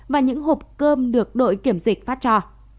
và những hộp cơm được đội kiểm dịch phát cho